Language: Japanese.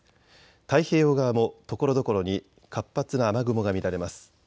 太平洋側もところどころに活発な雨雲が見られます。